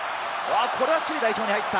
これはチリ代表に入った！